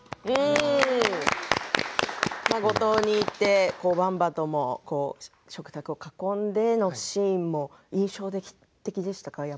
五島に行ってばんばとも食卓を囲んでのシーンも印象的でしたか？